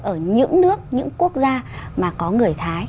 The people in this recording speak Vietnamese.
ở những nước những quốc gia mà có người thái